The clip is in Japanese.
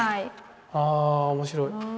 あ面白い。